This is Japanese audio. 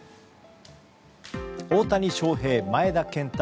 大谷翔平、前田健太